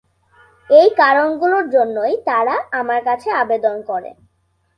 এই কারণগুলোর জন্যই তারা আমার কাছে আবেদন করে।